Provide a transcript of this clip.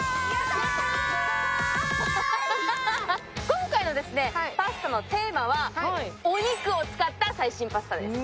今回のパスタのテーマはお肉を使った最新パスタです。